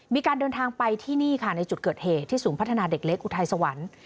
มีการเดินทางไปที่นี่ค่ะในจุดเกิดเหตุที่ศูนย์พัฒนาเด็กเล็กอุทัยสวรรค์